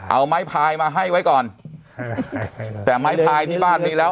เอาไม้พายมาให้ไว้ก่อนแต่ไม้พายที่บ้านมีแล้ว